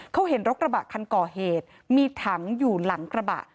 เขาเห็นรถกระบะคันก่อเหตุมีถังอยู่หลังกระบะ